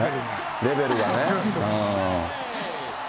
レベルがね。